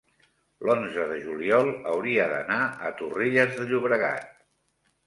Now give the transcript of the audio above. l'onze de juliol hauria d'anar a Torrelles de Llobregat.